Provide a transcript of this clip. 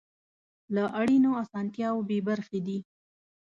له اړینو اسانتیاوو بې برخې دي.